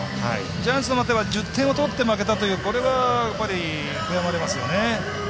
ジャイアンツの場合は１０点とって負けたというこれは悔やまれますよね。